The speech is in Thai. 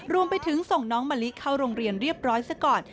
รวมไปถึงส่งน้องมะลิเข้าโรงเรียนเรียบร้อยซะก่อน